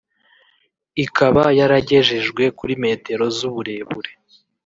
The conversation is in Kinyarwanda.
ikaba yaragejejwe kuri metero z’uburebure